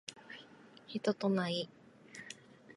人となり